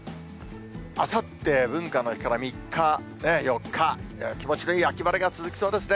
あさって文化の日から３日、４日、気持ちのいい秋晴れが続きそうですね。